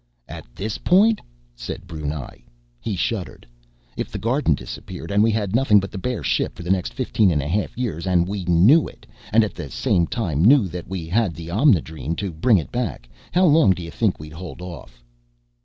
"At this point?" said Brunei. He shuddered. "If the garden disappeared, and we had nothing but the bare ship for the next fifteen and a half years, and we knew it, and at the same time knew that we had the Omnidrene to bring it back.... How long do you think we'd hold off?"